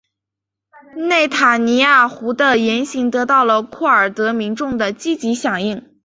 内塔尼亚胡的言行得到了库尔德民众的积极响应。